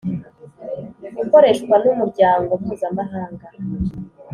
Ukoreshwa n umuryango mpuzamahanga